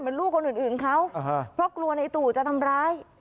ลูกคนอื่นเขาเพราะกลัวในตู่จะทำร้าย